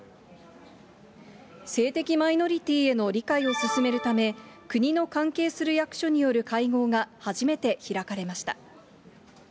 性的マイノリティーへの理解を進めるため、国の関係する役所による会合が初めて開かれました。